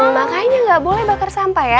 makanya nggak boleh bakar sampah ya